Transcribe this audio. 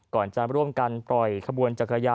ก่อนจะร่วมกันปล่อยขบวนจักรยาน